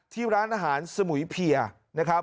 ที่ร้านอาหารสมุยเพียนะครับ